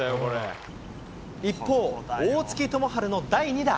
一方、大槻智春の第２打。